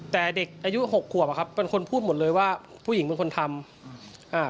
แต่เด็กอายุ๖ขวบเป็นคนพูดหมดเลยว่าผู้หญิงเป็นคนทำ